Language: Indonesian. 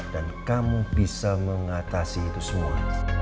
dan kamu bisa mengatasi itu semua